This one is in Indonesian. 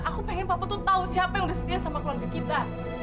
aku pengen papua tuh tahu siapa yang udah setia sama keluarga kita